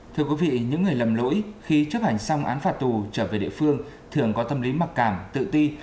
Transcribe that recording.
thưa quý vị những người lầm lỗi khi chấp hành xong án phạt tù trở về địa phương thường có tâm lý mặc cảm tự ti